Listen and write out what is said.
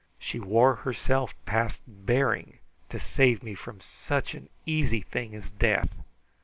She wore herself past bearing to save me from such an easy thing as death!